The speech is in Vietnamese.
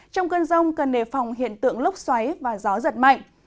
trong cơn rông cần nề phòng hiện tượng lốc xoáy và gió giật mạnh